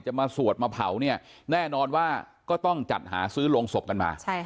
มาสวดมาเผาเนี่ยแน่นอนว่าก็ต้องจัดหาซื้อโรงศพกันมา